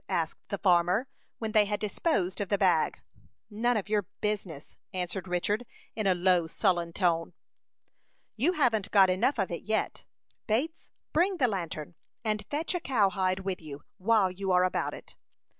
asked the farmer, when they had disposed of the bag. "None of your business," answered Richard, in a low, sullen tone. "You haven't got enough of it yet. Bates, bring the lantern, and fetch a cowhide with you, while you are about it."